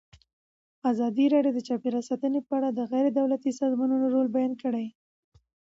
ازادي راډیو د چاپیریال ساتنه په اړه د غیر دولتي سازمانونو رول بیان کړی.